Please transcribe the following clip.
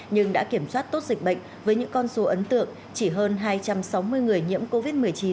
nhưng đã kiểm soát tốt dịch bệnh với những con số ấn tượng chỉ hơn hai trăm sáu mươi người nhiễm covid một mươi chín